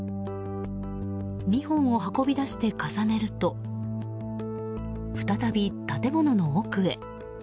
２本を運び出して重ねると再び建物の奥へ。